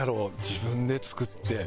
自分で作って。